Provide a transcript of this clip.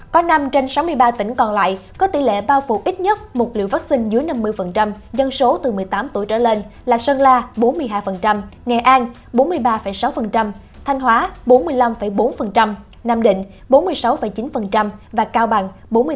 có năm trên sáu mươi ba tỉnh còn lại có tỷ lệ bao phủ ít nhất một liều vaccine dưới năm mươi dân số từ một mươi tám tuổi trở lên là sơn la bốn mươi hai nghệ an bốn mươi ba sáu thanh hóa bốn mươi năm bốn nam định bốn mươi sáu chín và cao bằng bốn mươi năm